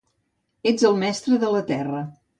Ets el Mestre de la Terra.